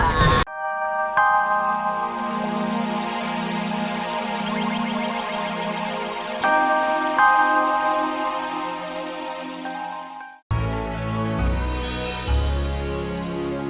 seperti yang selalu yang akan ditemukan